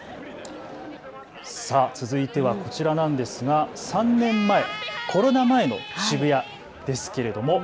続いてはこちらなんですが３年前、コロナ前の渋谷ですけれども。